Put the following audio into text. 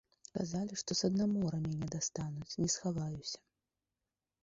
Казалі, што са дна мора мяне дастануць, не схаваюся.